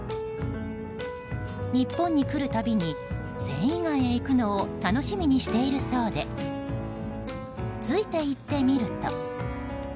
日本に来るたびに繊維街へ行くのを楽しみにしているそうでついて行ってみると。